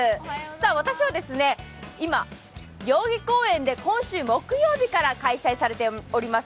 私は今、代々木公園で今週木曜日から開催されています